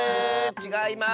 ちがいます。